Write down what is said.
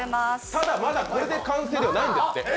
ただ、まだこれで完成ではないんですって。